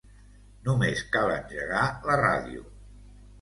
Només cal engegar la ràdio